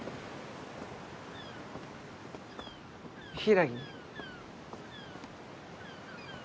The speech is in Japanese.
柊。